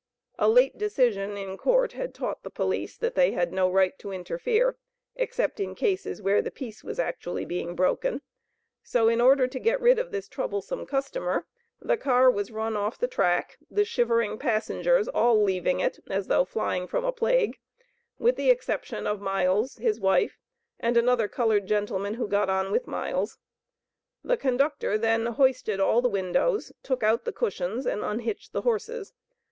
A late decision in court had taught the police that they had no right to interfere, except in cases where the peace was actually being broken; so in order to get rid of this troublesome customer, the car was run off the track, the shivering passengers all leaving it, as though flying from a plague, with the exception of Miles, his wife, and another colored gentleman, who got on with Miles. The conductor then hoisted all the windows, took out the cushions, and unhitched the horses.